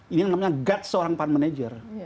ini yang namanya guts seorang fund manager